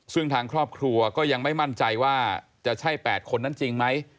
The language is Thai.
ซึ่งทางครอบครัวก็ยังไม่มั่นใจว่าจะใช่๘คนนั้นจริงไหม